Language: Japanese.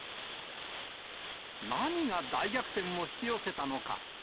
何が大逆転を引き寄せたのか。